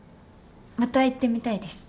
また行ってみたいです。